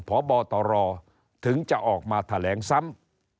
พบตรถึงจะออกมาแถลงซ้ำ